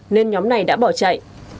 nên nhóm này đã bỏ chạy